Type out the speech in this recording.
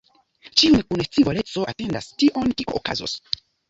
Ĉiu kun scivoleco atendas tion, kio okazos.